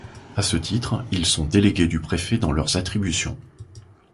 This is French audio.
À ce titre, ils sont délégués du préfet dans leurs attributions.